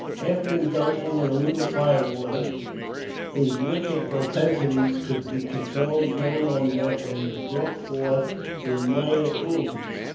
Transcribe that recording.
After indulging in a little fire water, his wicked propensities could be controlled no longer, and broke forth in minor cruelties.